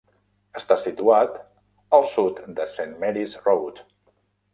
Està situat al sud de Saint-Marys Road.